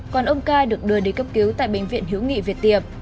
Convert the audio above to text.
còn ông ca được đưa đi cấp cứu tại bệnh viện hữu nghị việt tiệp